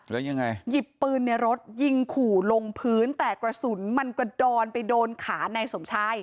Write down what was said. แล้วยังไงหยิบปืนในรถยิงขู่ลงพื้นแต่กระสุนมันกระดอนไปโดนขานายสมชาย